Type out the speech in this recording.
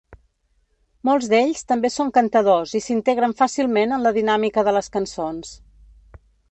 Molts d'ells també són cantadors i s'integren fàcilment en la dinàmica de les cançons.